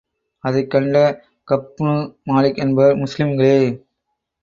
அதைக் கண்ட கஃபுப்னு மாலிக் என்பவர், முஸ்லிம்களே!